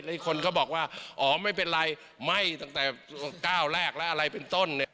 อีกคนก็บอกว่าอ๋อไม่เป็นไรไหม้ตั้งแต่ก้าวแรกแล้วอะไรเป็นต้นเนี่ย